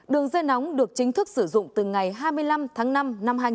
đường dây nóng được chính thức sử dụng từ ngày hai mươi năm tháng năm năm hai nghìn hai mươi